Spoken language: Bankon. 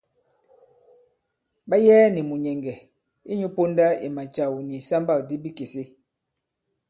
Ɓa yɛɛ nì mùnyɛ̀ŋgɛ̀ inyū ponda i macàw nì ìsambâkdi bikèse.